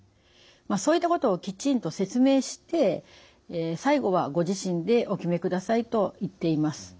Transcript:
そういったことをきちんと説明して最後はご自身でお決めくださいと言っています。